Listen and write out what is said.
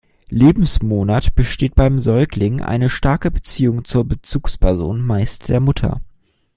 Lebensmonat besteht beim Säugling eine starke Beziehung zur Bezugsperson, meist der Mutter.